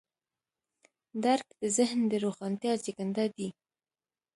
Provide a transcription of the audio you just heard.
درک د ذهن د روښانتیا زېږنده دی.